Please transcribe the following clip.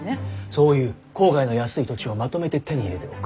そういう郊外の安い土地をまとめて手に入れておく。